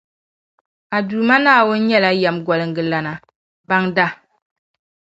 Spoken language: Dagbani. A Duuma Naawuni nyɛla Yεmgoliŋgalana, Baŋda.